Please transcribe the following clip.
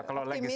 kalau legacy ya